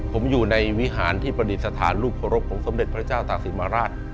ผมอยู่ในวิหารที่ประดิษฐานรูปเคารพของสมเด็จพระเจ้าตากศิลมาราช